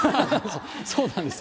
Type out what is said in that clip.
そうなんです。